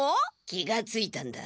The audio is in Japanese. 気がついたんだ。